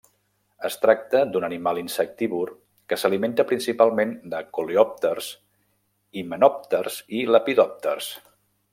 Es tracta d'un animal insectívor que s'alimenta principalment de coleòpters, himenòpters i lepidòpters.